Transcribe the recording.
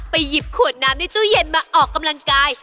หยิบขวดน้ำในตู้เย็นมาออกกำลังกาย